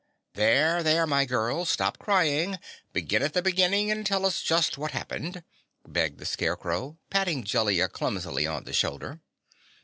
"There, there, my girl. Stop crying! Begin at the beginning and tell us just what happened," begged the Scarecrow, patting Jellia clumsily on the shoulder.